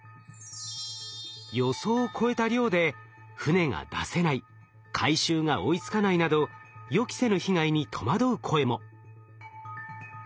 予想を超えた量で船が出せない回収が追いつかないなど予期せぬ被害に戸惑う声も。